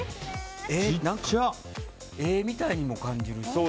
絵みたいにも感じるし。